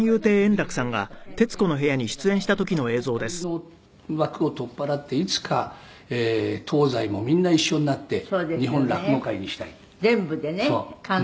「だから僕は協会の枠を取っ払っていつか東西もみんな一緒になって日本落語会にしたいって」